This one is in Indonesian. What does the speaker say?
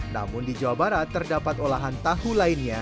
namun di jawa barat terdapat olahan tahu lainnya